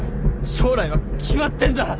将来は決まってんだ。